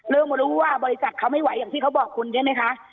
เริ่มรู้บริษัทเขาไม่ไหวอย่างที่เขาบอกคุณเท่าไหร่ไหมฮะ